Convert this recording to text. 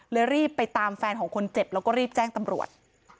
รีบไปตามแฟนของคนเจ็บแล้วก็รีบแจ้งตำรวจ